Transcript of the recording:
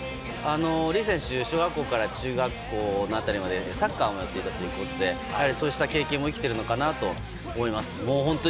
リ選手は小学校から中学校の辺りまでサッカーをやっていたということでそうした経験も生きているのかなと思います。